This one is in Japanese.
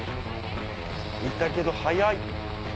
いたけど速い。